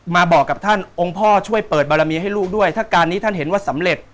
มาบอกกับท่านองค์พ่อช่วยเปิดบารมีให้ลูกด้วยถ้าการนี้ท่านเห็นว่าสำเร็จ